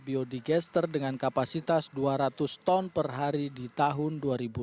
biodigester dengan kapasitas dua ratus ton per hari di tahun dua ribu dua puluh